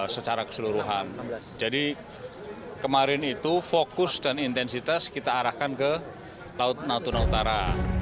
secara keseluruhan jadi kemarin itu fokus dan intensitas kita arahkan ke laut natuna utara